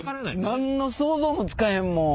何の想像もつかへんもん。